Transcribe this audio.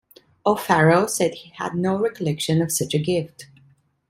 O'Farrell said he had no recollection of such a gift.